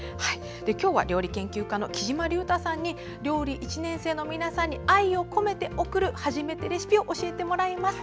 今日は料理研究家のきじまりゅうたさんに料理１年生の皆さんに愛を込めて送るはじめてレシピをご紹介してもらいます。